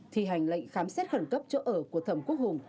thi hành lệnh khám xét khẩn cấp chỗ ở của thẩm quốc hùng